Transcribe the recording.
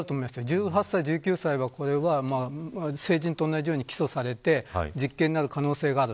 １８歳、１９歳は成人と同じように起訴されて実刑になる可能性がある。